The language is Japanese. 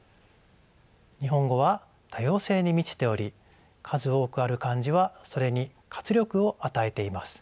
日本語は多様性に満ちており数多くある漢字はそれに活力を与えています。